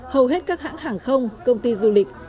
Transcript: hầu hết các hãng hàng không công ty du lịch